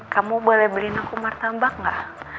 kamu boleh beliin aku martabak gak